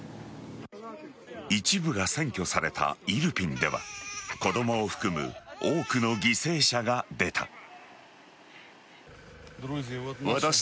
一部が占拠されたイルピンでは子供を含む多くの犠牲者が出た。